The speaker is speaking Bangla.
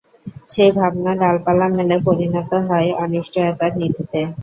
সেই ভাবনা ডালপালা মেলে পরিণত হয় অনিশ্চয়তার নীতিতে।